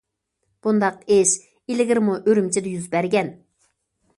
بۇنداق ئىش ئىلگىرىمۇ ئۈرۈمچىدە يۈز بەرگەن.